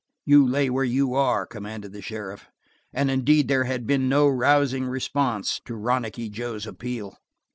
"You lay where you are," commanded the sheriff, and indeed there had been no rousing response to Ronicky Joe's appeal.